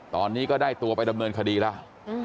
ตอนนี้ก็ได้ตัวไปดำเนินคดีแล้ว